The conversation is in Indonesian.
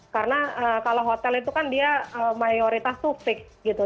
karena kalau hotel itu kan dia mayoritas tuh fixed gitu